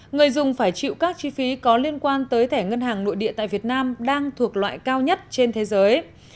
người dùng phải chịu các chi phí có liên quan tới thẻ ngân hàng nội địa tại việt nam đang thuộc loại cao nhất trên thế giới